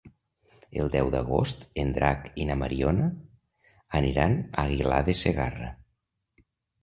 El deu d'agost en Drac i na Mariona aniran a Aguilar de Segarra.